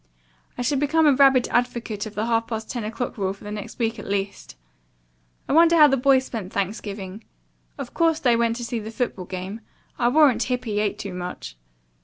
I shall become a rabid advocate of the half past ten o'clock rule for the next week at least. I wonder how the boys spent Thanksgiving. Of course they went to the football game. I'll warrant Hippy ate too much."